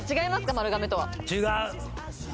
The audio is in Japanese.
丸亀とは違う！